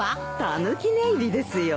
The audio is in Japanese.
たぬき寝入りですよ。